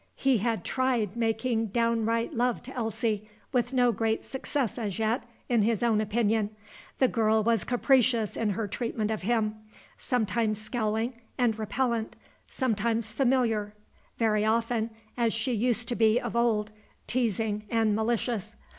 He had tried making downright love to Elsie, with no great success as yet, in his own opinion. The girl was capricious in her treatment of him, sometimes scowling and repellent, sometimes familiar, very often, as she used to be of old, teasing and malicious.